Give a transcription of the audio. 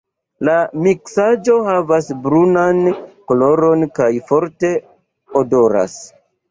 La miksaĵo havas brunan koloron kaj forte odoras.